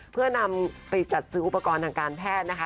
เพื่อนำไปจัดซื้ออุปกรณ์ทางการแพทย์นะคะ